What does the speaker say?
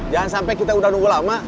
jangan sampai kita udah nunggu lama